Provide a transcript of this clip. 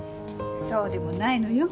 そうでもないのよ。